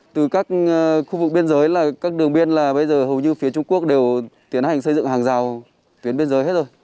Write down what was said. từ các khu vực biên giới là các đường biên là bây giờ hầu như phía trung quốc đều tiến hành xây dựng hàng rào tuyến biên giới hết rồi